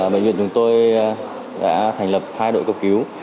bệnh viện chúng tôi đã thành lập hai đội cấp cứu